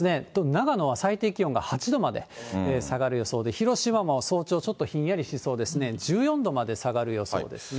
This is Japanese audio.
長野は最低気温が８度まで下がる予想で、広島も早朝ちょっとひんやりしそうですね、１４度まで下がる予想ですね。